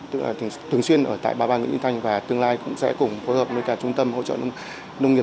tức là thường xuyên ở tại ba bang nguyễn yên thanh và tương lai cũng sẽ cùng phối hợp với cả trung tâm hỗ trợ nông nghiệp